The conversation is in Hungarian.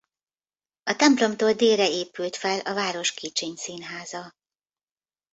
A templomtól délre épült fel a város kicsiny színháza.